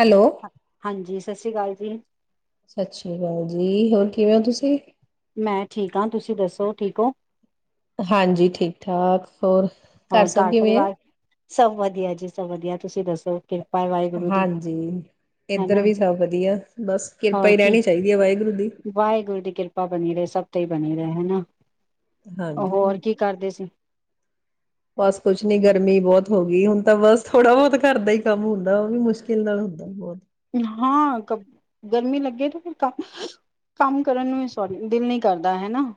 Hello. ਹਾਂਜੀ। ਸਤਿ ਸ਼੍ਰੀ ਅਕਾਲ ਜੀ। ਸਤਿ ਸ੍ਰੀ ਅਕਾਲ ਜੀ, ਹੋਰ ਕਿਵੇਂ ਹੋ ਤੁਸੀਂ? ਮੈਂ ਠੀਕ ਹਾਂ, ਤੁਸੀਂ ਦੱਸੋ ਠੀਕ ਹੋ? ਹਾਂਜੀ ਠੀਕ ਠਾਕ। ਹੋਰ ਘਰ ਹੋਰ ਸਭ ਕਰ ਕਿਵੇਂ ਹੈ? ਪਰਿਵਾਰ, ਸਭ ਵਧੀਆ ਜੀ ਸਭ ਵਧੀਆ। ਤੁਸੀਂ ਦੱਸੋ? ਕਿਰਪਾ ਹੈ ਵਾਹਿਗੁਰੂ ਦੀ ਹਾਂਜੀ ਹਨਾ ਇਧਰ ਵੀ ਸਭ ਵਧੀਆ ਬਸ ਕਿਰਪਾ ਹੋਰ ਹੀ ਕੀ ਰਹਿਣੀ ਚਾਹੀਦੀ ਹੈ ਵਾਹਿਗੁਰੂ ਦੀ। ਵਾਹਿਗੁਰੂ ਦੀ ਕਿਰਪਾ ਬਣੀ ਰਹੇ ਸਭ ਹੀ ਬਣੀ ਰਹੇ ਨਾ। ਉਹ ਹੋਰ ਹਾਂਜੀ। ਕੀ ਕਰਦੇ ਸੀ ਬਸ ਕੁਛ ਨੀ ਗਰਮੀ ਬਹੁਤ ਹੋ ਗਈ ਹੁਣ ਤਾਂ ਬਸ ਥੋੜਾ ਬਹੁਤ ਘਰ ਦਾ ਹੀ ਕੰਮ ਹੁੰਦਾ ਉਹ ਵੀ ਮੁਸ਼ਕਿਲ ਨਾਲ ਹੁੰਦਾ ਬਹੁਤ ਹਾਂ ਗਰਮੀ ਲੱਗੇ ਤੇ ਫਿਰ ਕੰਮ ਕਰਨ ਨੂੰ ਸੋਰੀ ਦਿਲ ਨ ਕਰਦਾ ਹਨਾ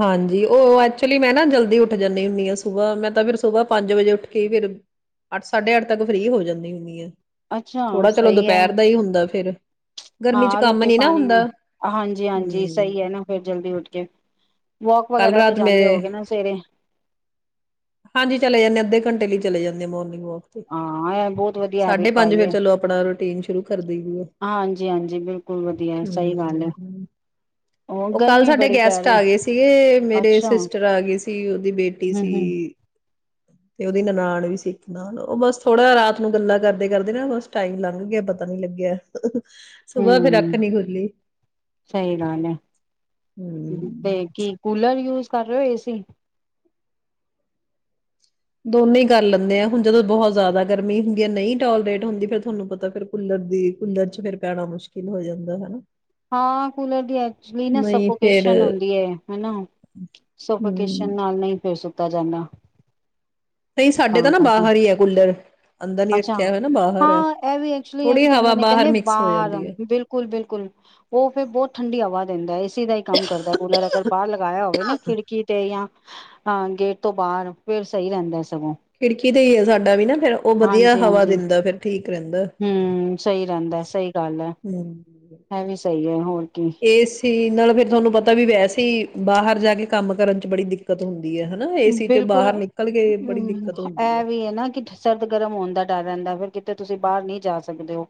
ਹਾਂਜੀ ਉਹ ਐਕਚੁਲੀ ਮੈਂ ਨਾ ਜਲਦੀ ਉੱਠ ਜਾਂਨੀ ਹੁੰਦੀ ਆਂ ਸੁਬਾਹ ਮੈਂ ਤਾਂ ਫਿਰ ਸੁਬਾਹ ਪੰਜ ਵਜੇ ਉੱਠ ਕੇ ਫਿਰ ਅੱਠ ਸਾਢੇ ਅੱਠ ਤੱਕ ਫਰੀ ਹੋ ਜਾਂਨੀ ਹੁੰਨੀ ਆਂ ਅੱਛਾ ਸਹੀ ਹੈ ਫਿਰ। ਗਰਮੀ ਚ ਹਾਂ ਕੰਮ ਰੋਟੀ ਨੀ ਨਾ ਪਾਣੀ ਹੁੰਦਾ, ਹਾਂਜੀ ਹਾਂਜੀ ਹੂੰ। ਸਹੀ ਹੈ ਨਾ ਫਿਰ ਜਲਦੀ [inaudible] ਵੋਕ ਕੱਲ ਵਗੈਰਾ ਤੇ ਰਾਤ ਮੈਂ ਜਾਂਦੇ ਹੋਗੇ ਨਾ ਸਵੇਰੇ ਹਾਂਜੀ ਚਲੇ ਜਾਂਦੇ ਆ ਅੱਧੇ ਘੰਟੇ ਲਈ ਚਲੇ ਜਾਂਦੇ ਮੋਹਨ ਹਾਂ ਇਹ ਬਹੁਤ ਵਧੀਆ ਸਾਢੇ ਹੈਬਿਟ ਪੰਜ ਪਾਈ ਹੈ ਫਿਰ ਚਲੋ ਆਪਣਾ ਰੂਟੀਨ ਸ਼ੁਰੂ ਕਰ ਦਈਦੀ ਆ। ਹਾਂਜੀ ਹਾਂਜੀ ਬਿਲਕੁਲ ਵਧੀਆ ਸਹੀ ਗੱਲ ਹੈ ਹਮ, ਉਹ ਕੱਲ ਗਰਮੀ ਸਾਡੇ ਬੜੀ ਪੈ ਗੈਸਟ ਰਹੀ ਆ ਗਏ ਸੀਗੇ, ਮੇਰੇ ਅੱਛਾ ਹਮ ਸਿਸਟਰ ਆ ਗਈ ਸੀ, ਉਹਦੀ ਬੇਟੀ ਸੀ ਹਮ ਤੇ ਉਹਦੀ ਨਨਾਣ ਵੀ ਸਿੱਖਨਾ ਉਹ ਬਸ ਥੋੜਾ ਰਾਤ ਨੂੰ ਗੱਲਾਂ ਕਰਦੇ ਕਰਦੇ ਨਾ ਬਸ ਟਾਈਮ ਲੰਘ ਗਿਆ ਪਤਾ ਨੀ ਲੱਗਿਆ ਸੁਬਾਹ ਫੇਰ ਅੱਖ ਹਮ, ਨੀ ਖੁੱਲੀ ਸਹੀ ਗੱਲ ਹੈ ਤੇ ਹਮ ਕੀ ਕੂਲਰ ਯੂਜ ਕਰ ਰਹੇ ਓ ਸੀ ਦੋਨੇ ਹੀ ਕਰ ਲੈਂਦੇ ਆ ਹੁਣ ਜਦੋਂ ਬਹੁਤ ਜ਼ਿਆਦਾ ਗਰਮੀ ਹੁੰਦੀ ਹੈ ਨਹੀਂ ਟੋਲਰੇਟ ਹੁੰਦੀ ਫਿਰ ਤੁਹਾਨੂੰ ਪਤਾ ਫਿਰ ਕੂਲਰ ਦੀ ਕੂਲਰ ਚ ਫਿਰ ਪੈਣਾ ਮੁਸ਼ਕਿਲ ਹੋ ਜਾਂਦਾ ਹਨਾ ਹਾਂ ਕੂਲਰ ਦੀ ਐਕਚੁਲੀ ਨਾ ਨਹੀਂ ਫੇਰ ਸਫੋਕੇਸ਼ਨ ਹੁੰਦੀ ਹੈ ਹਨਾ ਹੂੰ, ਸਫੋਕੇਸ਼ਨ ਨਾਲ ਨਹੀਂ ਫਿਰ ਕੀਤਾ ਜਾਂਦਾ ਨਹੀਂ ਸਾਡੇ ਤਾਂ ਨਾ ਬਾਹਰ ਹੀ ਹੈ ਕੂਲਰ ਅੰਦਰ ਨੀ ਅੱਛਾ ਰੱਖਿਆ ਹੋਇਆ ਨਾ ਬਾਹਰ ਹੈ ਹਾਂ ਇਹ ਵੀ ਐਕਚੁਲੀ ਇਹ ਥੋੜ੍ਹੀ ਵੀ ਕਹਿੰਦੇ ਹਵਾ ਨੇ ਬਾਹਰ ਕਹਿੰਦੇ ਮਿਕਸ ਹੋ ਬਾਹਰ ਜਾਂਦੀ ਐ ਬਿਲਕੁਲ ਬਿਲਕੁਲ ਉਹ ਫੇਰ ਬਹੁਤ ਠੰਡੀ ਹਵਾ ਦਿੰਦਾ ਏਸੀ ਦਾ ਹੀ ਕੰਮ ਕਰਦਾ ਕੂਲਰ ਅਗਰ ਬਾਹਰ ਲਗਾਇਆ ਹੋਵੇ ਨਾ ਖਿੜਕੀ ਤੇ ਜਾਂ ਹਾਂ ਗੇਟ ਤੋਂ ਬਾਹਰ ਫਿਰ ਸਹੀ ਰਹਿੰਦਾ ਸੀ ਖਿੜਕੀ ਤੇ ਹੀ ਹੈ ਸਾਡਾ ਵੀ ਨਾ ਫੇਰ ਉਹ ਵਧੀਆ ਹਾਂਜੀ ਹਵਾ ਹਾਂਜੀ ਦਿੰਦਾ ਫਿਰ ਠੀਕ ਰਹਿੰਦਾ ਹਮ ਸਹੀ ਰਹਿੰਦਾ ਸਹੀ ਗੱਲ ਹਮ ਹੈ ਵੀ ਸਹੀ ਹੈ ਹੁਣ ਏਸ ਨਾਲੇ ਫੇਰ ਤੁਹਾਨੂੰ ਪਤਾ ਵੀ ਵੈਸੇ ਹੀ ਬਾਹਰ ਜਾ ਕੇ ਕੰਮ ਕਰਨ ਚ ਬੜੀ ਦਿੱਕਤ ਹੁੰਦੀ ਹੈ ਹਨਾ ਏਸੀ ਚ ਬਿਲਕੁਲ ਬਾਹਰ ਨਿਕਲ ਕੇ ਬੜੀ ਹਮ ਦਿੱਕਤ ਹੁੰਦੀ ਹੈ। ਇਹ ਵੀ ਐ ਨਾ ਕਿ ਸਰਦ ਗਰਮ ਹੋਣ ਦਾ ਡਰ ਰਹਿੰਦਾ ਵ ਕਿਤੇ ਤੇ ਤੁਸੀਂ ਬਾਹਰ ਨਹੀਂ ਜਾ ਸਕਦੇ ਹੋ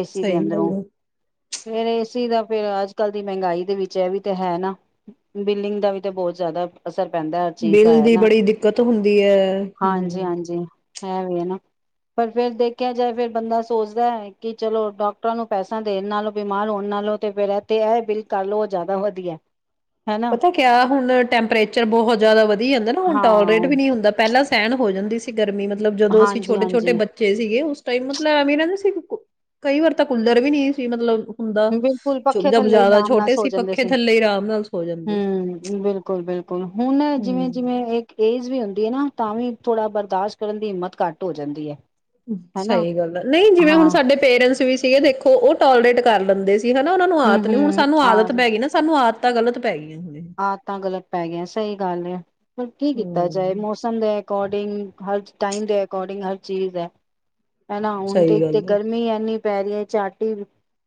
ਏਸੀ ਦੇ ਸਹੀ ਗੱਲ ਅੰਦਰੋਂ, ਹੈ, ਫੇਰ ਏਸੀ ਦਾ ਫਿਰ ਅੱਜ ਕੱਲ ਦੀ ਮਹਿੰਗਾਈ ਦੇ ਵਿੱਚ ਇਹ ਵੀ ਤੇ ਹੈ ਨਾ ਬਿੱਲਿੰਗ ਦਾ ਵੀ ਤਾਂ ਬਹੁਤ ਜ਼ਿਆਦਾ ਅਸਰ ਪੈਂਦਾ ਹਰ ਚੀਜ਼ ਦਾ ਬਿਲ ਹੈ ਦੀ ਨਾ ਬੜੀ ਦਿੱਕਤ ਹੁੰਦੀ ਹੈ। ਹਾਂਜੀ ਹਮ ਹਾਂਜੀ ਹੈ ਵੀ ਹੈ ਨਾ ਪਰ ਫਿਰ ਦੇਖਿਆ ਜਾਏ ਫਿਰ ਬੰਦਾ ਸੋਚਦੈ ਕਿ ਚਲੋ ਡਾਕਟਰਾਂ ਨੂੰ ਪੈਸਾ ਦੇਣ ਨਾਲੋਂ ਬਿਮਾਰ ਹੋਣ ਨਾਲੋਂ ਤੇ ਫਿਰ ਇਥੇ ਇਹ ਬਿੱਲ ਕਰ ਲਓ ਉਹ ਜ਼ਿਆਦਾ ਵਧੀਆ ਹਨਾ ਪਤਾ ਕਿਆ ਹੁਣ ਟੈਂਪਰੇਚਰ ਬਹੁਤ ਜ਼ਿਆਦਾ ਵਧੀ ਜਾਂਦਾ ਨਾ ਹੁਣ ਟੋਲਰੇਟ ਹਾਂ ਵੀ ਨੀ ਹੁੰਦਾ ਪਹਿਲਾਂ ਸਹਿਣ ਹੋ ਜਾਂਦੀ ਸੀ ਗਰਮੀ ਮਤਲਬ ਜਦੋਂ ਅਸੀਂ ਛੋਟੇ ਛੋਟੇ ਹਾਂਜੀ-ਹਾਂਜੀ, ਬੱਚੇ ਸੀਗੇ ਉਸ ਟਾਈਮ ਮਤਲ ਐਵੇਂ ਦਾ ਸੀ ਕਈ ਵਾਰ ਤਾਂ ਕੁਲਰ ਵੀ ਨਹੀਂੀ ਸੀ ਮਤਲਬ ਹੁੰਦਾ ਬਿਲਕੁਲ ਪੱਖੇ ਜਬ ਥੱਲੇ ਹੀ ਜ਼ਿਆਦਾ ਛੋਟੇ ਸੀ ਪੱਖੇ ਥੱਲੇ ਆਰਾਮ ਨਾਲ ਜਾਂਦੇ ਸੀ। ਹਮ ਬਿਲਕੁਲ ਬਿਲਕੁਲ ਹੁਣ ਜਿਵੇਂ ਹੂੰ ਜਿਵੇਂ ਇੱਕ ਏਜ ਵੀ ਹੁੰਦੀ ਹੈ ਨਾ ਤਾਂ ਵੀ ਥੋੜਾ ਬਰਦਾਸ਼ਤ ਕਰਨ ਦੀ ਹਿੰਮਤ ਘੱਟ ਹੋ ਜਾਂਦੀ ਹੈ ਹਨਾ ਸਹੀ ਗੱਲ ਆ ਨਹੀਂ ਜਿਵੇਂ ਹੁਣ ਹਾਂ ਸਾਡੇ ਪੇਰੈਂਟਸ ਵੀ ਸੀਗੇ ਦੇਖੋ ਉਹ ਟੋਲਰੇਟ ਕਰ ਲੈਂਦੇ ਸੀ ਹਨਾ ਉਹਨਾਂ ਨੂੰ ਆਦਤੀ ਹੁਣ ਹੂੰ-ਹੂੰ ਸਾਨੂੰ ਆ ਆਦਤ ਪੈਗੀ ਨਾ ਸਾਨੂੰ ਆਦਤ ਤਾਂ ਗਲਤ ਪੈ ਗਈ ਆਦਤਾਂ ਗ਼ਲਤ ਪੈ ਗੀਆਂ ਸਹੀ ਗੱਲ ਹੈ ਪਰ ਕੀ ਕੀਤਾ ਜਾਏ ਹੂੰ ਮੌਸਮ ਦਾ ਅਕੋਡਿੰਗ ਹਰ ਟਾਈਮ ਦੇ ਅਕੋਰਡਿੰਗ ਹਰ ਚੀਜ਼ ਹੈ ਹੈਨਾ ਹੁਣ ਸਹੀ ਤੇਥੇ ਗੱਲ ਹੈ। ਗਰਮੀ ਐਨੀ ਪੈ ਰਹੀਆਂ ਚਾਰਟੀ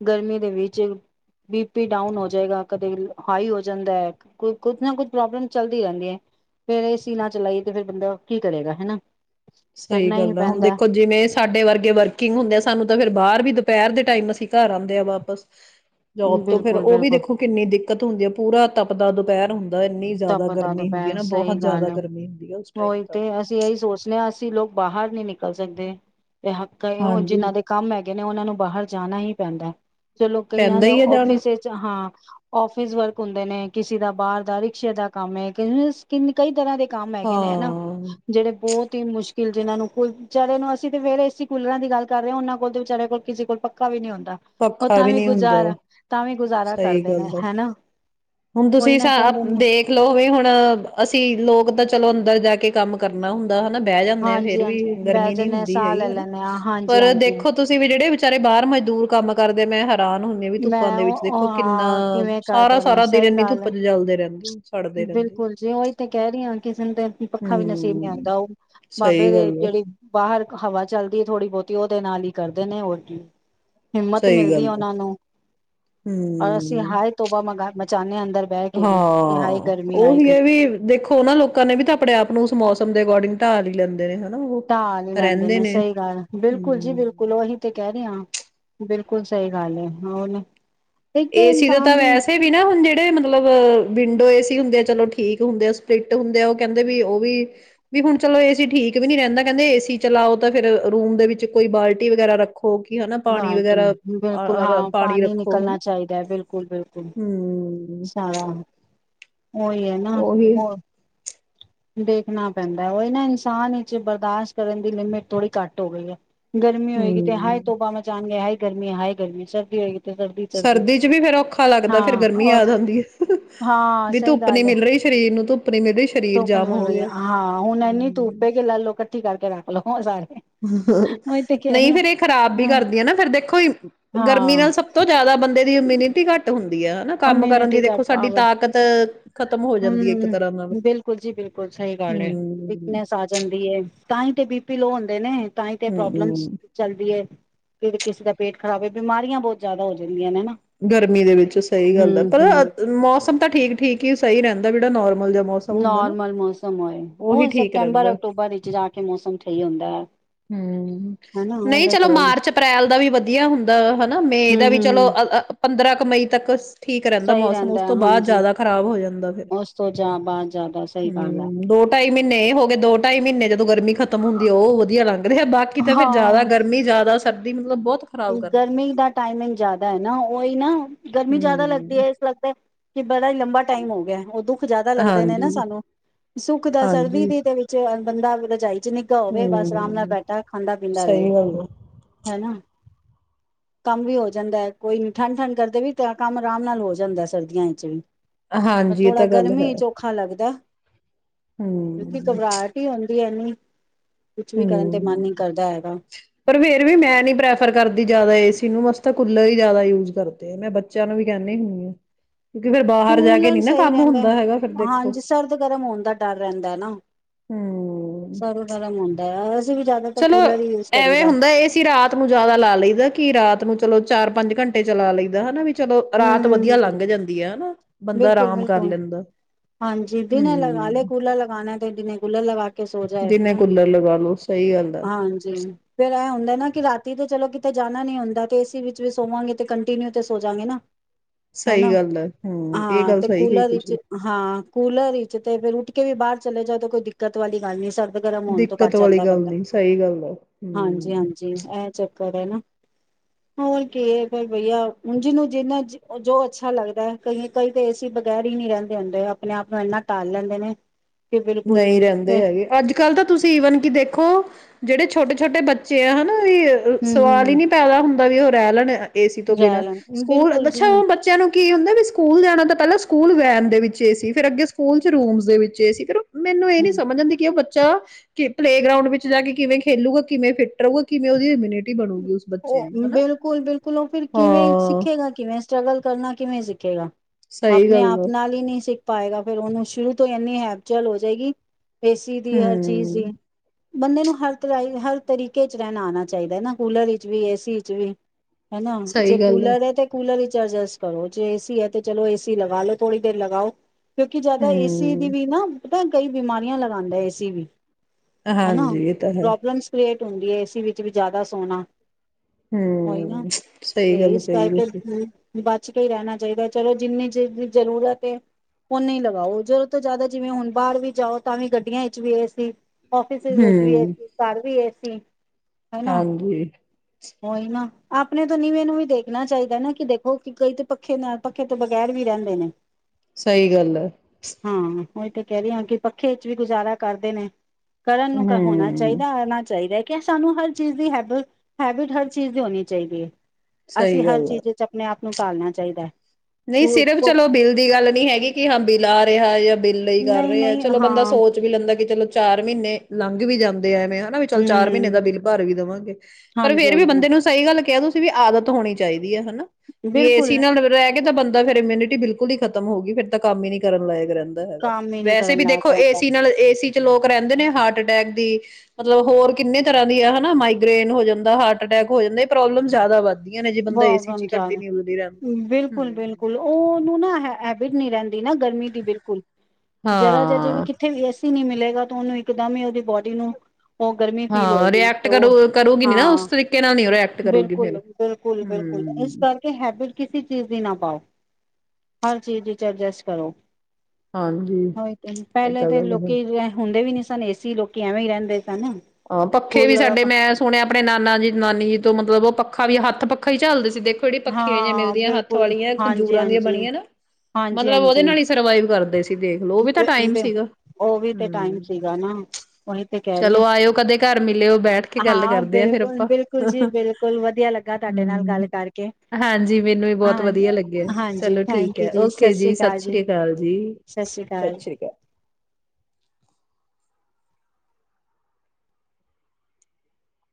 ਗਰਮੀ ਦੇ ਵਿੱਚ ਬੀ ਪੀ ਡਾਊਨ ਹੋ ਜਾਏਗਾ ਕਦੇ ਹਾਈ ਹੋ ਜਾਂਦੈ ਕੁੱਛ ਨਾ ਕੁੱਛ ਪ੍ਰੋਬਲਮ ਚੱਲਦੀ ਰਹਿੰਦੀ ਹੈ ਫੇਰ ਏਸੀ ਨਾ ਚਲਾਈਏ ਤੇ ਫਿਰ ਬੰਦਾ ਕੀ ਕਰੇਗਾ ਹਨਾ ਸਹੀ ਕਰਨਾ ਹੀ ਗੱਲ ਆ ਹੁਣ ਪੈਂਦਾ ਦੇਖੋ ਜਿਵੇਂ ਸਾਡੇ ਵਰਗੇ ਵਰਕਿੰਗ ਹੁੰਦੇ ਆ ਸਾਨੂੰ ਤਾਂ ਫੇਰ ਬਾਹਰ ਵੀ ਦੁਪਹਿਰ ਦੇ ਟਾਈਮ ਅਸੀਂ ਘਰ ਆਉਂਦੇ ਆ ਵਾਪਸ ਜੋਬ ਤੋਂ ਫੇਰ ਬਿਲਕੁਲ ਉਹ ਵੀ ਬਿਲਕੁਲ ਦੇਖੋ ਕਿੰਨੀ ਦਿੱਕਤ ਹੁੰਦੀ ਹੈ ਪੂਰਾ ਤਪਦਾਦ ਪੈੜ ਹੁੰ ਤਪਦਾ ਦਪੈ ਸਹੀ ਗੱਲ ਜ਼ਿਆਦਾ ਹੈ ਗਰਮੀ ਹੁੰਦੀ ਹੈ ਉਸ ਟਾਈਮ ਉਹੀ ਤਾਂ ਤੇ ਅਸੀਂ ਇਹੀ ਸੋਚਦੇ ਹਾਂ ਅਸੀਂ ਲੋਕ ਬਾਹਰ ਨਹੀਂ ਨਿਕਲ ਸਕਦੇ ਤੇ ਹ ਉਹ ਹਾਂਜੀ ਜਿੰਨਾਂ ਦੇ ਕੰਮ ਹੈਗੇ ਨੇ ਉਹਨਾਂ ਨੂੰ ਬਾਹਰ ਜਾਣਾ ਹੀ ਪੈਂਦਾ ਚਲੋ ਕਈਆਂ ਪੈਂਦਾ ਨੇ ਹੀ ਹੈ ਜਾਣਾ ਔਫਿਸ ਵਿੱਚ ਹਾਂ ਔਫਿਸ ਵਰਕ ਹੁੰਦੇ ਨੇ ਕਿਸੇ ਦਾ ਬਾਹਰ ਦਾ ਸ਼ ਦਾ ਕੰਮ ਐਂ ਕਈ ਤਰ੍ਹਾਂ ਦੇ ਕੰਮ ਹੈਗੇ ਨੇ ਹਨਾ ਹਾਂ ਜਿਹੜੇ ਬਹੁਤ ਹੁ ਮੁਸ਼ਕਿਲ ਜਿਹਨ੍ਹਾਂ ਨੂੰ ਵਿਚਾਰੇ ਨੂੰ ਅਸੀਂ ਤੇ ਫੇਰ ਏਸੀ ਕੂਲਰਾਂ ਦੀ ਗੱਲ ਕਰ ਰਹੇ ਹ ਉਹਨਾਂ ਕੋਲ ਵਿਚਾਰੇ ਕੋਲ ਕਿਸੇ ਕੋਲ ਪੱਖਾ ਵੀ ਨਹੀਂ ਹੁੰਦਾ ਉਹ ਪੱਖਾ ਤਾਂ ਵੀ ਨਹੀਂ ਹੁੰਦਾ ਗੁਜ਼ਾਰਾ ਤਾਂ ਵੀ ਗੁਜ਼ਾਰਾ ਸਹੀ ਕਰਦੇ ਨੇ ਗੱਲ ਆ ਹੈਨਾ ਕੋਈ ਨਾ ਕਹਿੰਦੇ ਨੇ ਦੇਖਲਓ ਵੀ ਹੁਣ ਅਸੀਂ ਲੋਕ ਤਾਂ ਚਲੋ ਅੰਦਰ ਜਾ ਕੇ ਕੰਮ ਕਰਨਾ ਹੁੰ ਹਨਾ ਬਹਿ ਜਾਂਦੇ ਆ ਹਾਂਜੀ ਫੇਰ ਵੀ ਹਾਂਜੀ ਬਹਿ ਗਰਮੀ ਨੀ ਜਾਂਦੇ ਹੁੰਦੀ ਸਾਹ ਹੈਗੀ ਲੈ ਹਨਾ ਲੈਂਦੇ ਹਾਂ ਹਾਂਜੀ ਪਰ ਹਾਂਜੀ ਦੇਖੋ ਤੁਸੀਂ ਵੀ ਜਿਹੜੇ ਵਿਚਾਰੇ ਬਾਹਰ ਮਜ਼ਦੂਰ ਕੰਮ ਕਰਦੇ ਮੈ ਆਨ ਹੁਨੇਆਂ ਵੀ ਧੁੱਪਾਂ ਮੈਂ ਦੇ ਵਿੱਚ ਦੇਖੋ ਉਹ ਕਿੰਨਾ ਹਾਂ ਕਿਵੇਂ ਕਰਦੇ ਨੇ ਸਾਰਾ-ਸਾਰਾ ਦਿਨ ਸਹੀ ਇੰਨੀ ਗੱਲ ਧੁੱਪ ਚ ਜਲਦੇ [inaudible] ਰਹਿੰਦੇ ਬਿਲਕੁਲ ਜੀ ਉਹੀ ਤੇ ਕਹਿ ਰਹੀਆਂ ਕਿਸੇ ਨੂੰ ਇੱਕ ਪੱਖਾ ਵੀ ਨਸੀਬ ਨੀ ਹਮ ਆਉਂਦਾ ਉਹ ਬਾਬੇ ਸਹੀ ਦੇ ਗੱਲ ਹੈ ਜਿਹੜੀ ਬਾਹਰ ਹਵਾ ਚਲਦੀ ਥੋੜੀ ਬਹੁਤੀ ਉਹਦੇ ਨਾਲ ਹੀ ਕਰਦੇ ਨੇ ਹੋਰ ਕੀ। ਹਿੰਮਤ ਸਹੀ ਮਿਲਦੀ ਗੱਲ ਐ ਹੈ ਉਹਨਾਂ ਨੂੰ। ਔਰ ਅਸੀਂ ਹਮ ਹਾਏ ਤੋਬਾ ਮਗਾ ਮਚਾਨੇ ਆਂ ਅੰਦਰ ਬਹਿ ਕੇ ਵੀ। ਹਾਏ ਹਾਂ ਗਰਮੀ ਆਏ ਉਹੀ ਹੈ ਗਰਮੀ ਵੀ ਦੇਖੋ ਨਾ ਲੋਕਾਂ ਨੇ ਵੀ ਤਾਂ ਆਪਣੇ ਆਪ ਨੂੰ ਉਸ ਮੌਸਮ ਦੇ ਅਕੋਰਡਿੰਗ ਢਾਲ ਹੀ ਲੈਂਦਾ। ਢਾਲ ਲੈਂਦੇ ਨੇ, ਸਹੀ ਗੱਲ ਬਿਲਕੁਲ ਜੀ ਹਮ ਬਿਲਕੁਲ ਉਹੀ ਤੇ ਕਹਿ ਰਹੇ ਹਾਂ। ਬਿਲਕੁਲ ਸਹੀ ਗੱਲ ਏ ਹੁਣ ਏਸੀ ਦੇ ਤਾਂ ਵੈਸੇ ਵੀ ਨਾ ਹੁਣ ਜਿਹੜੇ ਮਤਲਬ ਵਿੰਡੋ ਏਸੀ ਹੁੰਦੇ ਆ ਚਲੋ ਠੀਕ ਹੁੰਦੇ ਆ ਸਪਲਿਟ ਹੁੰਦੇ ਆ ਉਹ ਕਹਿੰਦੇ ਵੀ ਉਹ ਵੀ ਬੀ ਹੁਣ ਚਲੋ ਏਸੀ ਠੀਕ ਵੀ ਨੀ ਰਹਿੰਦਾ ਕਹਿੰਦੇ ਏਸੀ ਚਲਾਓ ਤਾਂ ਫਿਰ ਰੂਮ ਦੇ ਵਿੱਚ ਕੋਈ ਬਾਲਟੀ ਵਗੈਰਾ ਰੱਖੋ ਰੱਖੋ ਕਿ ਹਨਾ ਪਾਣੀ ਬਾਹਰ ਤੋਂ ਵਗੈਰਾ ਅ-ਅਰ ਪਾਣੀ ਰੱਖੋ ਹਨਾ। ਬਿਲਕੁਲ-ਬਿਲਕੁਲ। ਹਮ ਸਾਰਾ ਉਹੀ ਐ ਨਾ ਉਹੀ ਹੋਰ ਦੇਖਣਾ ਪੈਂਦਾ ਉਹ ਇਹ ਨਾ ਇਨਸਾਨ ਵਿੱਚ ਬਰਦਾਸ਼ਤ ਕਰਨ ਦੀ ਲਿਮਿਟ ਥੋੜ੍ਹੀ ਘੱਟ ਹੋ ਗਈ ਹੈ। ਗਰਮੀ ਹੋਏਗੀ ਤੇ ਹਾਏ ਹਮ ਤੋਬਾ ਮਚਾਣ ਗੇ ਹਏ ਗਰਮੀ ਹਾਏ ਗਰਮੀ ਸਰਦੀ ਹੋਏਗੀ ਸਰਦੀ ਚ ਵੀ ਫੇਰ ਔਖਾ ਲੱਗਦਾ ਫੇਰ ਹਾਂ ਗਰਮੀ ਔਰ ਆ ਜਾਂਦੀ ਏ, ਹਾਂ ਵੀ ਸਹੀ ਧੁੱਪ ਨੀ ਗੱਲ ਹੈ ਮਿਲ ਰਹੀ ਸਰੀਰ ਨੂੰ ਧੁੱਪ ਨੀ ਮਿਲ ਰਹੀ ਸਰੀਰ ਧੁੱਪ ਨੀ ਜਾਮ ਮਿਲ ਹੋ ਰਹੀ ਗਿਆ ਹਾਂ ਹੁਣ ਇਹਨੀ ਹਮ ਧੁੱਪੇ ਕੇ ਲੈ ਲੋ ਠੀ ਕਰਕੇ ਰੱਖ ਲਓ [unintelligible] ਉਹੀ ਤੇ ਕਹਿ ਰਹੀ ਨਹੀਂ ਹਾਂ ਫਿਰ ਇਹ ਖ਼ਰਾਬ ਵੀ ਹਾਂ ਕਰਦੀ ਆ ਨਾ ਫਿਰ ਦੇਖੋ ਗਰਮੀ ਨਾਲ ਹਾਂ ਸਭ ਤੋਂ ਜ਼ਿਆਦਾ ਬੰਦੇ ਦੀ ਇਮਿਊਨਿਟੀ ਘੱਟ ਹੁੰਦੀ ਹਨਾ ਕੰਮ ਕਰਨ ਇਮਿਊਨਿਟੀ ਦੀ ਦਾ ਦੇਖੋ ਸਾਡੀ ਪਾਵਰ ਤਾਕਤ ਖ਼ਤਮ ਹੋ ਜਾਂਦੀ ਹੈ ਇੱਕ ਹਮ, ਤਰ੍ਹਾਂ ਨਾਲ ਬਿਲਕੁਲ ਜੀ ਬਿਲਕੁਲ, ਸਹੀ ਗੱਲ ਹੈ ਹਮ ਵਿਕਨੈਸ ਆ ਜਾਂਦੀ ਹੈ ਤਾਂ ਹੀ ਤੇ ਬੀ-ਪੀ ਲੋ ਹੁੰਨ ਨੇ ਤਾਂ ਹੀ ਤੇ ਪ੍ਰੋਬਲਮਸ ਹਮ ਚੱਲਦੀ ਏ। ਫਿਰ ਕਿਸੇ ਦਾ ਪੇਟ ਖ਼ਰਾਬ ਏ ਬਿਮਾਰੀਆਂ ਬਹੁਤ ਜ਼ਿਆਦਾ ਹੋ ਜਾਦੀ ਗਰਮੀ ਦੇ ਵਿੱਚ ਸਹੀ ਗੱਲ ਐ ਹੂੰ ਪਰ ਮੌਸਮ ਤਾਂ ਠੀਕ ਠੀਕ ਹੀ ਸਹੀ ਰਹਿੰਦਾ [unintelligible] ਮੌਸਮ ਹੁੰਦਾ ਨਾ ਨੋਰਮਲ ਮੌਸਮ ਹੋਏ ਉਹੀ ਉਹ ਠੀਕ ਸਤੰਬਰ ਰਹਿੰਦਾ। ਅਕਤੂਬਰ ਵਿੱਚ ਜਾ ਕੇ ਮੌਸਮ ਸਹੀ ਹੁੰਦਾ ਹੈ। ਹਮ ਹਨਾ ਨਹੀਂ ਉਹਦਾ ਚਲੋ ਸਹੀ ਮਾਰਚ ਅਪ੍ਰੈਲ ਦਾ ਵੀ ਵਧੀਆ ਹੁੰਦਾ ਹਨਾ ਮੇ ਇਹ ਹੂੰ ਦਾ ਵੀ ਚਲੋ ਹੂੰ ਪੰਦਰਾਂ ਕ ਮਈ ਤੱਕ ਠੀਕ ਰਹਿੰਦਾ ਸਹੀ ਮੌਸਮ ਉਸ ਹੈ ਤੋਂ ਬਾਅਦ ਹਾਂਜੀ ਜਿਆਦਾ ਖ਼ਰਾਬ ਹੋ ਜਾਂਦਾ ਫਿਰ। ਉਸ ਤੋਂ ਜਾ ਬਾਅਦ ਜ਼ਿਆਦਾ ਸਹੀ ਗੱਲ ਹੈ। ਹਮ ਦੋ ਢਾਈ ਮ ਮੇ ਹੋਏ ਦੋ ਢਾਈ ਮਹੀਨੇ ਜਦੋਂ ਗਰਮੀ ਖਤਮ ਹੁੰਦੀ ਹੈ ਉਹ ਵਧੀਆ ਲੱਗਦੀ ਦੇ ਬਾਕੀ ਤਾਂ ਫੇਰ ਜ਼ਿਆਦਾ ਹਾਂ ਗਰਮੀ ਜ਼ਿਆਦਾ ਸਰਦੀ ਮਤਲਬ ਬਹੁਤ ਖ਼ਰਾਬ ਕਰਦੀ ਹੈ। ਗਰਮੀ ਦਾ ਟਾਈਮਿੰਗ ਜਿਆਦਾ ਹੈ ਨਾ ਓਈ ਨਾ ਗਰਮੀ ਜਿਆਦਾ ਲੱਗਦੀ ਹੂੰ ਹੈ ਇਸ ਲਗ ਤੇ ਕਿ ਬੜਾ ਈ ਲੰਬਾ ਟਾਈਮ ਹੋ ਗਿਆ ਉਹ ਦੁੱਖ ਜ਼ਿਆਦਾ ਲੱਗਦੇ ਨੇ ਨਾ ਹਾਂਜੀ ਸਾਨੂੰ ਸੁੱਖ ਦਾ ਸਰਦੀ ਹਾਂਜੀ ਦੀ ਦੇ ਵਿੱਚ ਬੰਦਾ ਵੀ ਰਜਾਈ ਨਿੱਘਾ ਹੋਵੇ ਬਸ ਆਰਾਮ ਨਾਲ ਹੂੰ ਬੈਠਾ ਖਾਂਦਾ ਪੀਂਦਾ ਸਹੀ ਰਵੇ ਗੱਲ ਹੈ ਨਾ ਕੰਮ ਵੀ ਹੋ ਜਾਂਦਾ ਕੋਈ ਨਹੀਂ ਠੰਡ ਠੰਡ ਕਰਦੇ ਵੀ ਤਾਂ ਕੰਮ ਆਰਾਮ ਨਾਲ ਹੋ ਜਾਂਦਾ ਸਰਦੀਆਂ ਵਿੱਚ ਵੀ ਆ ਤੇ ਹਾਂਜੀ ਇਹ ਥੋੜਾ ਤਾਂ ਗੱਲ ਹੈ ਗਰਮੀ ਚ ਔਖਾ ਲੱਗਦਾ ਕਿਉਂਕਿ ਹੂੰ ਘਬਰਾਹਟ ਹੀ ਹੁੰਦੀ ਐਨੀ [unintelligible] ਕੁਛ ਵੀ ਕਰਨ ਤੇ ਮਨ ਨੀ ਕਰਦਾ ਹੈਗਾ ਫ ਵੀ ਮੈਂ ਨੀ ਪ੍ਰੈਫਰ ਕਰਦੀ ਜ਼ਿਆਦਾ ਏਸੀ ਨੂੰ ਅਸੀ ਤਾਂ ਕੂਲਰ ਹੀ ਜ਼ਿਆਦਾ ਯੂਜ ਕਰਦੇ ਆ ਮੈਂ ਬੱਚਿਆਂ ਨੂੰ ਵੀ ਕਹਿੰਦੀ ਹੁੰਨੀ ਪੂਲਣ ਸਹੀ ਰਹਿੰਦਾ ਫਿਰ ਦੇਖੋ ਹਾਂਜੀ ਸਰਦ ਗਰਮ ਹੋਣ ਦਾ ਡਰ ਰਹਿੰਦਾ ਨਾ ਹੂੰ ਸਰਦ ਗਰਮ ਹੁੰਦਾ ਆ ਚਲੋ ਐਵੇਂ ਹੁੰਦਾ ਏਸੀ ਰਾਤ ਨੂੰ ਜ਼ਿਆਦਾ ਲਾ ਲਈਦਾ ਕਿ ਰਾਤ ਨੂੰ ਚਲੋ ਚਾਰ ਪੰਜ ਘੰਟੇ ਚਲਾ ਲਈਦਾ ਹਨਾ ਵਿੱਚ ਚਲੋ ਰਾਤ ਹਮ ਵਧੀਆ ਲੰਘ ਜਾਂਦੀ ਹੈ ਹਨਾ ਬੰਦਾ ਬਿਲਕੁਲ ਆਰਾਮ ਕਰ ਬਿਲਕੁਲ ਲੈਂਦਾ ਹਾਂਜੀ ਦਿਨੇ ਲਗਾ ਲਏ ਹੂੰ ਕੂਲਰ ਲਗਾਣਾ ਤੇ ਦਿਨੇ ਕੂਲਰ ਲਗਾ ਕੇ ਸੋ ਜਾਏ ਜਿੰਨੇ ਹਨਾ ਕੂਲਰ ਲਗਾ ਲੋ ਸਹੀ ਗੱਲ ਆ ਹਾਂਜੀ ਫੇਰ ਐਂਏ ਹੁੰਦਾ ਹਨਾ ਕਿ ਰਾਤੀ ਤੇ ਚਲੋ ਕਿਤੇ ਜਾਨਾ ਨੀ ਹੁੰਦਾ ਤੇ ਏਸੀ ਵਿੱਚ ਵੀ ਸੋਵਾਂਗੇ ਤੇ ਕੰਟੀਨਿਊ ਤੇ ਸੋਜਾਂਗੇ ਨਾ ਹਨਾ ਸਹੀ ਗੱਲ ਹੈ ਹਮ ਹਾਂ ਤੇ ਕੂਲਰ ਵਿੱਚ ਹਾਂ ਕੂਲਰ ਵਿੱਚ ਤੇ ਫਿਰ ਉੱਠ ਕੇ ਵੀ ਬਾਹਰ ਚਲੇ ਜਾਓ ਤਾਂ ਕੋਈ ਦਿੱਕਤ ਵਾਲੀ ਗੱਲ ਨੀ ਗਰਮ ਹੋਣ ਤੋਂ ਦਿੱਕਤ ਬਚ ਵਾਲੀ ਜਾਂਦਾ ਗੱਲ ਬੰਦਾ ਨੀ ਸਹੀ ਗੱਲ ਆ ਹਾਂਜੀ ਹਮ ਹਾਂਜੀ ਇਹ ਨਾ ਹੋਰ ਕੀ ਹੈ [unintelligible] ਜਿਹਨੂੰ ਜਿੰਹਨਾ ਜੋ ਅੱਛਾ ਲੱਗਦਾ ਹੈ ਕਈਆਂ ਕਈ ਤਾਂ ਏਸੀ ਬਗੈਰ ਹੀ ਨਹੀਂ ਰਹਿੰਦੇ ਹੁੰਦੇ ਆਪਣੇ ਆਪ ਨੂੰ ਇਨਾ ਢਾਲ ਲੈਂਦੇ ਨੇ ਕਿ ਬਿਲਕੁਲ ਨਹੀਂ ਰਹਿੰਦੇ ਫਿਰ ਹੈਗੇ ਅੱਜ ਕੱਲ੍ਹ ਤਾਂ ਤੁਸੀਂ ਈਵਨ ਕੀ ਦੇਖੋ ਜਿਹੜੇ ਛੋਟੇ ਛੋਟੇ ਬੱਚੇ ਆ ਹਨਾ ਵੀ ਹੂੰ ਸਵਾਲ ਹੀ ਹੂੰ ਨੀ ਪੈਦਾ ਹੁੰਦਾ ਦਾ ਵੀ ਉਹ ਰਹਿ ਲੈਣ ਏ ਸੀ ਤੋਂ ਰਹਿ ਬਿਨਾਂ ਲੈਣ ਸਕੂਲ ਬਿਲਕੁਲ ਜੀ ਅੱਛਾ ਉਹ ਬੱਚਿਆਂ ਨੂੰ ਕੀ ਹੁੰਦਾ ਵੀ ਸਕੂਲ ਜਾਣਾ ਤਾਂ ਪਹਿਲਾਂ ਸਕੂਲ ਵੈਨ ਦੇ ਵਿੱਚ ਏਸੀ ਫੇਰ ਅੱਗੇ ਸਕੂਲ ਚ ਰੂਮਸ ਦੇ ਵਿੱਚ ਏਸੀ ਫਿਰ ਮੈਨੂੰ ਇਹ ਨੀ ਹੂੰ ਸਮਝ ਆਂਦੀ ਕਿ ਉਹ [unintelligible] ਕਿ ਪਲੇਗਰਾਊਂਡ ਵਿੱਚ ਜਾ ਕੇ ਕਿਵੇਂ ਖੇਲੂਗਾ, ਕਿਵੇਂ ਫਿਟ ਰਹੇਗਾ, ਕਿਵੇਂ ਉਹਦੀ ਇਮਿਊਨਿਟੀ ਬਣੂਗੀ। ਉਸ ਬੱਚੇ ਉਹ ਦੀ ਹਨਾ ਬਿਲਕੁਲ ਬਿਲਕੁਲ ਉਹ ਫਿਰ ਕਿਵੇਂ ਹਾਂ ਸਿੱਖੇਗਾ ਕਿਵੇਂ ਸਟਰ੍ਰਗਲ ਕਰਨਾ ਕਿਵੇਂ ਸਿੱਖੇ? ਖੇਲਾ ਸਹੀ ਆਪਣੇ ਗੱਲ ਆਪ ਆ ਨਾਲ ਹੀ ਨਹੀਂ ਸੀ। ਪਾਏਗਾ ਫਿਰ ਉਹਨੂੰ ਸ਼ੁਰੂ ਤੋਂ ਇੰਨੀ ਹੈਬਚੂਅਲ ਹੋ ਜਾਏਗੀ। ਏਸੀ ਦੀ ਹਰ ਚੀਜ਼ ਦੀ। ਹਮ ਬੰਦੇ ਨੂੰ ਹਰ ਤਰ੍ਹਾਂ ਹਰ ਤਰੀਕੇ 'ਚ ਰਹਿਣਾ ਆਉਣਾ ਚਾਹੀਦਾ ਹੈ ਨਾ ਕੂਲਰ ਵਿੱਚ। ਵੀ ਏਸੀ ਚ ਵੀ। ਹੈ ਨਾ ਜੇ ਸਹੀ ਗੱਲ ਆ ਕੂਲਰ ਹੈ ਤੇ ਕੂਲਰ ਕਰੋ ਜੇ ਏਸੀ ਹੈ ਤੇ ਚਲੋ ਏਸੀ ਲਗਾ ਲੋੋ ਥੋੜੀ ਦੇਰ ਲਗਾਓ ਕਿਉਂਕਿ ਜਿਆਦਾ ਏਸੀ ਦੀ ਹਮ ਵੀ ਨਾ ਪਤਾ ਕਈ ਬਿਮਾਰੀਆਂ ਲਗਾਉਂਦਾ ਏ ਸੀ ਵੀ। ਹਾਂਜੀ ਇਹ ਤਾਂ ਹੈ। ਟੋੰਗੀ ਏ-ਸੀ ਵਿੱਚ ਵੀ ਜਿਆਦਾ ਸੋਣਾ ਉਹੀ ਨਾ ਹਮ, ਸਹੀ ਤੇ ਗੱਲ ਇਸ ਕਹੀ ਕਰਕੇ ਤੁਸੀਂ ਬਚ ਕੇ ਈ ਰਹਿਣਾ ਚਾਹੀਦਾ ਏ ਚਲੋ ਜਿੰਨੀ ਚ ਜਰੂਰਤ ਏ, ਓਨੇ ਈ ਲਗਾਓ ਜਰੂਰਤ ਤੋਂ ਜਿਆਦਾ ਜਿਵੇਂ ਹੁਣ ਬਾਹਰ ਵੀ ਜਾਓ ਤਾਂ ਵੀ ਗੱਡੀਆਂ ਵਿਚ ਵੀ ਏ-ਸੀ ਓਫਿਸ ਵਿੱਚ ਵੀ ਹੂੰ, ਏ-ਸੀ ਘਰ ਵੀ ਏ-ਸੀ ਤੇਛੇ [unintelligible] ਹਾਂਜੀ ਓਈ ਨਾ ਆਪਣੇ ਤੋਂ ਨੀਵੇਂ ਨੂੰ ਵੀ ਦੇਖਣਾ ਚਾਹੀਦਾ ਨਾ ਕਿ ਦੇਖੋ ਕਿ ਕਈ ਤੇ ਪੱਖੇ ਨਾਲ ਪੱਖੇ ਤੋਂ ਬਗ਼ੈਰ ਵੀ ਰਹਿੰਦੇ ਨੇ ਸਹੀ ਗੱਲ ਏ ਹਾਂ ਓਈ ਤਾਂ ਕਹਿ ਰੀ ਆਖਿਰ ਪੱਖੇ ਚ ਵੀ ਗੁਜ਼ਾਰਾ ਕਰਦੇ ਨੇ ਕਰਨ ਨੂੰ ਕ ਹੋਣਾ ਹੂੰ, ਚਾਹੀਦਾ ਆਣਾ ਚਾਈਦੈ ਕਿ ਸਾਨੂੰ ਹਰ ਚੀਜ਼ ਦੀ ਹੈਬ ਹੈਬਿਟ ਹਰ ਚੀਜ਼ ਦੀ ਹੋਣੀ ਚਇਦੀ ਏ ਅਸੀਂ ਸਹੀ ਹਰ ਗੱਲ ਆ। ਚੀਜ਼ ਚ ਅਪਨੇ ਆਪ ਨੂੰ ਟਾਲਣਾ ਚਾਈਦਾ ਏ ਨਹੀਂ ਸਿਰਫ਼ ਚਲੋ ਬਿੱਲ ਦੀ ਗੱਲ ਨਹੀ ਹੈਗੀ ਕਿ ਹਾਂ ਬਿਲਾ ਹਾ [unintelligible] ਬਿੱਲ ਲਈ ਕਰ ਨਹੀਂ ਰੈ ਏ ਨਹੀਂ ਹਾਂ ਚਲੋ ਬੰਦਾ ਸੋਚ ਵੀ ਲੈਂਦਾ ਕਿ ਚਲੋ ਚਾਰ ਮੀੱਨੇ ਲੰਘ ਵੀ ਜਾਂਣ ਵੇ ਹਨਾ ਵੀ ਚੱਲ ਚਾਰ ਮੀਨੇ ਦਾ ਹਮ ਬਿੱਲ ਭਰ ਵੀ ਦਵਾਂਗੇ, ਪਰ ਹਾਂਜੀ ਫੇਰ ਵੀ ਹਾਂਜੀ ਬੰਦੇ ਨੂੰ ਸਈ ਗੱਲ ਕੈ ਦਾ ਸੀ ਵੀ ਆਦਤ ਹੋਣੀ ਚਾਈਦੀ ਹਨਾ, ਵੀ ਬਿਲਕੁਲ ਅਸੀ ਨਾਲ ਬੰਦਾ ਫਿਰ ਇਮਿਊਨਿਟੀ ਬਿਲਕੁਲ ਈ ਖ਼ਤਮ ਹੋਗੀ ਫਿਰ ਤਾਂ ਕੰਮ ਈ ਨੀ ਕਰਨ ਲਾਇਕ ਰੈ ਹੈਗਾ, ਕੰਮ ਹੀ ਨਹੀਂ ਵੈਸੇ ਕਰਨ ਵੀ ਲਾਇਕ ਦੇਖੋ ਰਹਿੰਦਾ ਏਸੀ ਨਾਲ ਏਸੀ ਲੋਕ ਰੈਂਦੇ ਨੇ ਹਾਟ ਅਟੈਕ ਦੀ, ਮਤਲਬ ਹੋਰ ਕਿੰਨੇ ਤਰ੍ਹਾਂ ਦੀ ਆ ਹਨਾ-ਮਾਈਗ੍ਰੇਨ ਹੋ ਜਾਂਦਾ, ਹਾਟ ਅਟੈਕ ਹੋ ਜਾਂਦੇ ਇਹ ਪ੍ਰੋਬਲਮ ਜ਼ਿਆਦਾ ਵਾਧ ਕੀ ਆਂ ਨੇ ਜੇ ਬੰਦਾ ਏਸੀ ਬਹੁਤ ਚੀ ਘੰਟੀ ਜ਼ਿਆਦਾ ਨਿਲਦੀ ਰੈਂ ਬਿਲਕੁਲ, ਬਿਲਕੁਲ ਓ ਉਨੂੰ ਹੈਬਿਟ ਨਈਂ ਰੈਂਦੀ ਨਾ ਗਰਮੀ ਦੀ ਬਿਲਕੁਲ। ਜਰਾ ਜ ਅਜੇ ਵੀ ਹਾਂ ਕਿੱਥੇ ਵੀ ਨਈਂ ਮਿਲੇਗਾ ਤੁਂਨੂੰ ਇੱਕਦਮ ਈ ਓਦੀ ਬੋਡੀ ਨੂੰ ਉਹ ਗਰਮੀ ਫੀਲ ਹਾਂ, ਹੋਏਗੀ ਰਿਐਕਟ ਤੇ ਉਹ ਕਰੂ ਕਰੂਗੀ ਨੀ ਨਾ ਉਸ ਹਾਂ ਤਰੀਕੇ ਨਾਲ ਰਿਐਕਟ ਕਰੂਗੀ ਫਿਰ ਬਿਲਕੁਲ, ਬਿਲਕੁਲ, ਬਿਲਕੁਲ। ਇਸ ਹੂੰ ਕਰਕੇ ਹੈਬਿਟ ਕਿਸੀ ਚੀਜ਼ ਦੀ ਨਾ ਪਾਓ। ਹਰ ਚੀਜ ਚ ਐਡਜਸਟ ਕਰੋ। ਹਾਂਜੀ ਹੋਈ ਤੇ ਇਹ ਪੈਲੇ ਤਾਂ ਤੇ ਗੱਲ ਹੈ ਲੋਕੀ ਹੁੰਦੇ ਵੀ ਨੀ ਏਸੀ ਲੋਕੀਂ ਐਵੇਂ ਰੈਂਦੇ ਅ ਪੱਖੇ ਵੀ ਸਾਡੇ ਮੈਂ ਸੁਣਿਆ ਆਪਣੇ ਨਾਨਾ ਜੀ ਨਾਨੀ ਤੋ ਮਤਲਬ ਓਹ ਪੱਖਾ ਵੀ ਹੱਥ ਪੱਖਾ ਚੱਲਦੇ ਸ ਦੇਖੋ ੲਹੜਿ ਪਖੀਆਂ ਜਿਂ ਹਾਂ ਮਿਲਦੀਆਂ ਹੱਥ ਬਿਲਕੁਲ ਵਾਲੀਆਂ ਹਾਂਜੀ ਖੰਜੂਰਾਂ ਦੀਆਂ ਹਾਂਜੀ ਬਣੀਆਂ ਨਾ, ਹਾਂਜੀ ਮਤਲਬ ਓਹਦੇ ਹਾਂਜੀ ਨਾਲ ਹੀ ਸਰਵਾਈਵ ਕਰਦੇ ਸੀ ਦੇਖ ਲੋ, ਓਹ ਵੀ ਤਾਂ ਟਾਈਮ ਸੀਗਾ, ਉਹ ਵੀ ਤੇ ਟਾਈਮ ਸੀਗਾ ਨਾ ਉਹੀ ਤੇ ਕਹਿ ਰਹੀ ਹਾਂ ਹਮ--ਚਲੋ ਆਇਓ ਲੇ ਓ ਬੈਠ ਕੇ ਗੱਲ ਹਾਂ ਕਰਦੇ ਆ ਫਿਰ ਬਿਲਕੁਲ ਆਪਾਂ, ਬਿਲਕੁਲ ਜੀ ਬਿਲਕੁਲ ਵਧੀਆ ਲੱਗਾ ਤੁਹਾਡੇ ਨਾਲ ਗੱਲ ਹਮ ਕਰਕੇ ਹਾਂਜੀ ਮੈਨੂੰ ਵੀ ਹਾਂ ਬੋਹਤ ਵਧੀਆ ਲੱਗਿਆ ਚਲੋ ਠੀਕ ਏ, ਓਕੇ ਜੀ ਸਤਿ ਸ੍ਰੀ ਅਕਾਲ ਜੀ ਸਤਿ ਸ੍ਰੀ ਅਕਾਲ